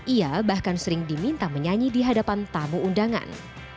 ia bahkan sering diminta menyanyi di hadapan tamu undangan